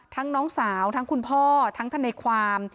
ทั้งน้องสาวทั้งคุณพ่อทั้งท่านในความ